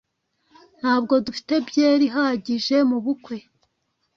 Ntabwo dufite byeri ihagije mubukwe